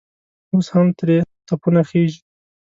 اوس هم ترې تپونه خېژي.